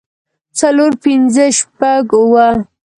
څلور پنځۀ شپږ اووه